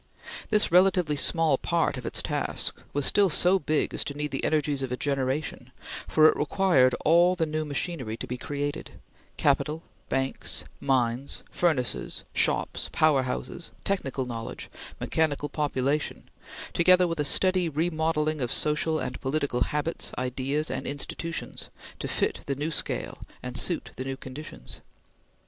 This relatively small part of its task was still so big as to need the energies of a generation, for it required all the new machinery to be created capital, banks, mines, furnaces, shops, power houses, technical knowledge, mechanical population, together with a steady remodelling of social and political habits, ideas, and institutions to fit the new scale and suit the new conditions.